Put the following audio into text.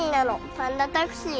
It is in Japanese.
パンダタクシー。